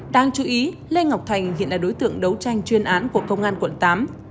đang chú ý lê ngọc thành hiện là đối tượng đấu tranh chuyên án của công an tp hcm